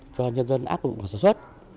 cho nhân dân áp lụng sản xuất